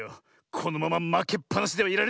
このまままけっぱなしではいられない。